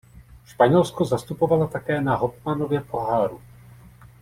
Španělsko zastupovala také na Hopmanově poháru.